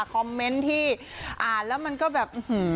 คอมเมนต์ที่อ่านแล้วมันก็แบบ